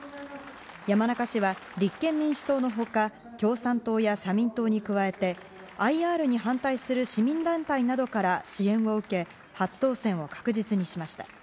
山中氏は立憲民主党の他共産党や社民党に加えてＩＲに反対する市民団体などから支援を受け初当選を確実にしました。